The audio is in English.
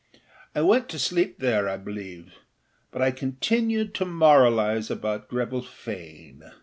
I went to sleep there, I believe; but I continued to moralise about Greville Fane.